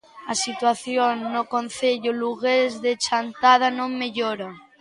A situación no concello lugués de Chantada non mellora.